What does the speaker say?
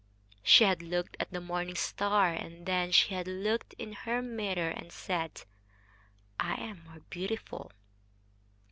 She had looked at the morning star, and then she had looked in her mirror and said, "I am more beautiful."